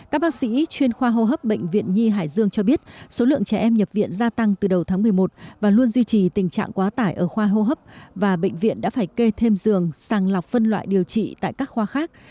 các bác sĩ chuyên khoa hô hấp bệnh viện nhi hải dương cho biết số lượng trẻ em nhập viện gia tăng từ đầu tháng một mươi một và luôn duy trì tình trạng quá tải ở khoa hô hấp và bệnh viện đã phải kê thêm giường sàng lọc phân loại điều trị tại các khoa khác